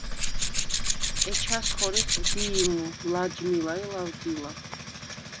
ეჩას ხორიხ: დი̄ჲმუ, ლაჯმილა ი ლავდილა.